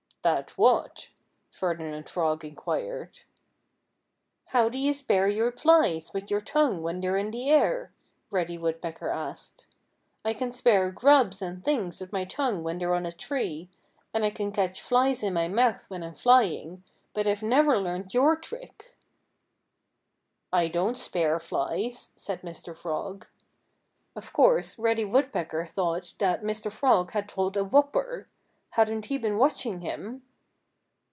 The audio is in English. '" "That what?" Ferdinand Frog inquired. "How do you spear flies with your tongue when they're in the air?" Reddy Woodpecker asked. "I can spear grubs and things with my tongue when they're on a tree. And I can catch flies in my mouth when I'm flying. But I've never learned your trick." "I don't spear flies," said Mr. Frog. Of course Reddy Woodpecker thought that Mr. Frog had told a whopper. Hadn't he been watching him?